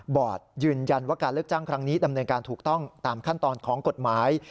ยืนยันว่าการเลือกจ้างครั้งนี้ดำเนินการถูกต้องตามขั้นตอนของกฎหมาย